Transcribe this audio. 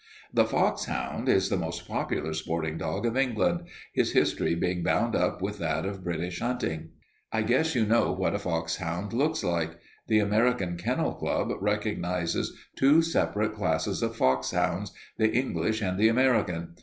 "The foxhound is the most popular sporting dog of England, his history being bound up with that of British hunting. I guess you know what a foxhound looks like. The American Kennel Club recognizes two separate classes of foxhounds, the English and the American.